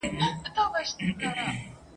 ژبه یې لمبه ده اور په زړه لري ..